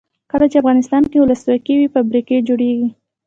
کله چې افغانستان کې ولسواکي وي فابریکې جوړیږي.